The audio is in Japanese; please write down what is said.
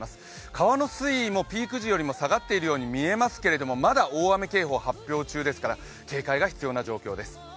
川の水位もピーク時よりも下がっているように見えますが大雨警報発令中ですから警戒が必要な状態です。